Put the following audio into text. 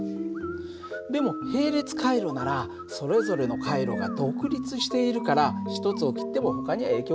でも並列回路ならそれぞれの回路が独立しているから１つを切ってもほかには影響がないんだよ。